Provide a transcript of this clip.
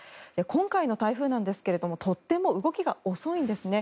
今回の台風なんですがとても動きが遅いんですね。